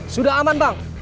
sudah aman bang